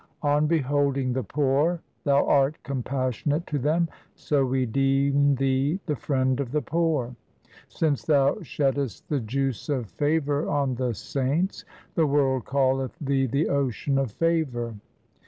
On beholding the poor, Thou art compassionate to them ; So we deem Thee the Friend of the poor. Since Thou sheddest the juice of favour on the saints, The world calleth Thee the Ocean of favour.